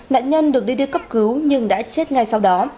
nạn nhân được đi đưa cấp cứu nhưng đã chết ngay sau đó